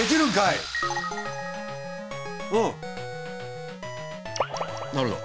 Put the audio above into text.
うんなるほど。